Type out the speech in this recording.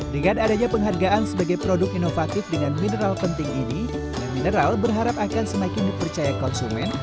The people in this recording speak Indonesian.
dengan adanya penghargaan sebagai produk inovatif dengan mineral penting ini mineral berharap akan semakin dipercaya konsumen